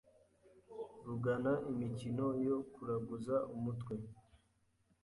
rugana imikino yo kuraguza umutwe